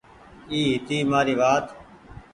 اي هيتي مآري وآت۔